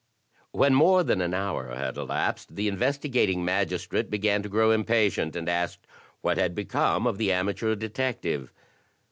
When more than an hour had elapsed, the investigating magis trate began to grow impatient, and asked what had become of the amateur detective.